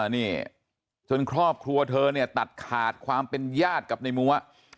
นี่จนครอบครัวเธอเนี่ยตัดขาดความเป็นญาติกับในมัว